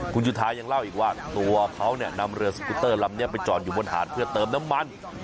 คุณจุธายังเล่าอีกว่าตัวเขาเนี่ยนำเรือสกุตเตอร์ลำนี้ไปจอดอยู่บนหาดเพื่อเติมน้ำมัน